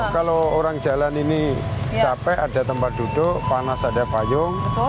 kalau orang jalan ini capek ada tempat duduk panas ada payung